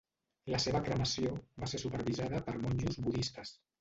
La seva cremació va ser supervisada per monjos budistes.